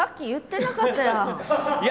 いや！